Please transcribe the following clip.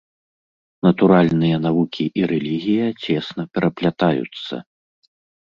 Натуральныя навукі і рэлігія цесна пераплятаюцца.